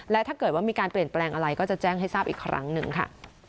และถ้าเกิดว่ามีการเปลี่ยนแปลงอะไรก็จะแจ้งให้ทราบอีกครั้งหนึ่งค่ะ